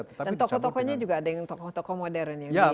dan tokoh tokohnya juga ada yang tokoh tokoh modern yang diperkenalkan